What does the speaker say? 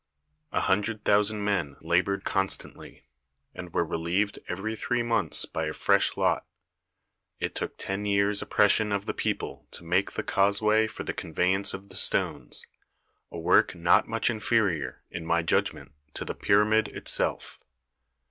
A hundred thousand men laboured constantly, and were relieved every three months by a fresh lot. It took ten years' oppression of the people to make the causeway for the conveyance of the stones, a work not much inferior, in my judgment, to the pyramid itself.